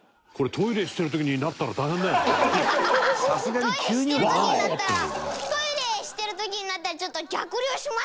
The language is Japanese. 「トイレしてる時になったらトイレしてる時になったらちょっと逆流しますよ！」